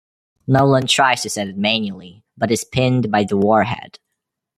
Nolan tries to set it manually, but is pinned by the warhead.